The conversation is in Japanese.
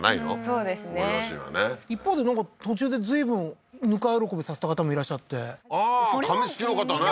そうですねご両親はね一方でなんか途中で随分ぬか喜びさせた方もいらっしゃってああー紙すきの方ね